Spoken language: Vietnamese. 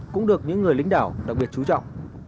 cũng được những người lính đảo đặc biệt chú trọng